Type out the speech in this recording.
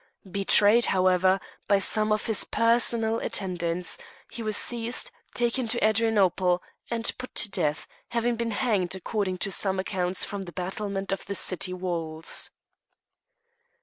Betrayed, however, by some of his personal attendants, he was seized, taken to Adrianople, and put to death, having been hanged, according to some accounts, from the battlements of the city walls.